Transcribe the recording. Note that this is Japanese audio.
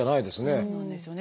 そうなんですよね。